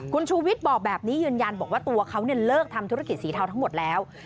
คุณชูวิทย์บอกแบบนี้ยืนยันบอกว่าตัวเขาเลิกทำธุรกิจสีเทาทั้งหมดแล้ว